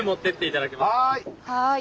はい！